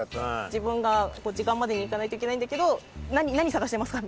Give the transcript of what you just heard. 自分が時間までに行かないといけないんだけど「何探してますか？」